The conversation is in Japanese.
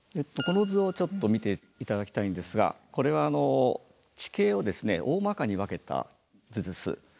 この図をちょっと見て頂きたいんですがこれは地形をおおまかに分けた図です。